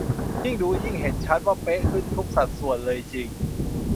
ยิ่งดูยิ่งเห็นชัดว่าเป๊ะขึ้นทุกสัดส่วนเลยจริง